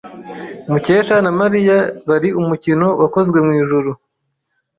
Mukesha na Mariya bari umukino wakozwe mwijuru.